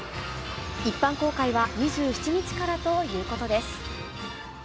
一般公開は２７日からということです。